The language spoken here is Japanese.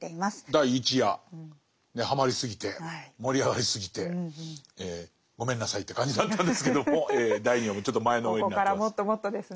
第１夜はまりすぎて盛り上がりすぎてごめんなさいって感じだったんですけども第２夜もちょっと前のめりになってます。